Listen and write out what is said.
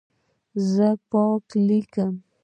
زه پاک لیکم.